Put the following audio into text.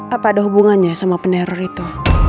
apa ada hubungannya sama penderor itu